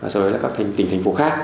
sau đó là các tỉnh thành phố khác